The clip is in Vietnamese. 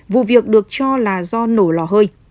vụ việc được cho là do nổ lò hơi